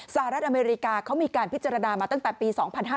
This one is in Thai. สหรัฐอเมริกาเขามีการพิจารณามาตั้งแต่ปี๒๕๕๙